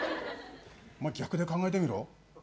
逆で考えてみろ。